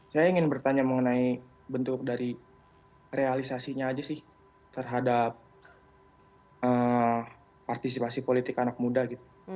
saya ingin bertanya mengenai bentuk dari realisasinya aja sih terhadap partisipasi politik anak muda gitu